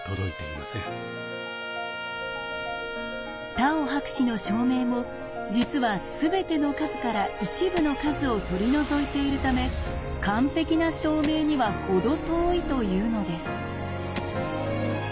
タオ博士の証明も実はすべての数から一部の数を取り除いているため完璧な証明には程遠いというのです。